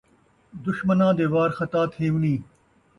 دشمناں دے وار خطا تھیونِیں